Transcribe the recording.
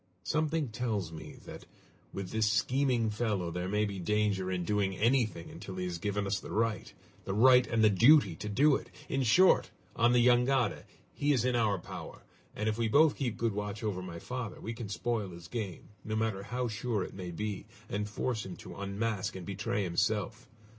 Something tells me that with this scheming fellow there may be danger in doing anything until he has given us the right the right and the duty to do it. In short, on the jangada, he is in our power, and if we both keep good watch over my father, we can spoil his game, no matter how sure it may be, and force him to unmask and betray himself!